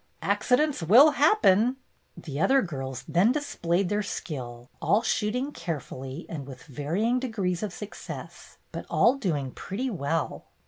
"Huh! Accidents will happen!" The other girls then displayed their skill, all shooting carefully and with varying de grees of success, but all doing pretty well.